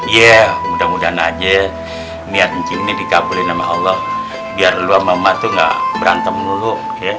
ya mudah mudahan aja lihat ini dikabulin nama allah biar lu sama emak tuh nggak berantem dulu ya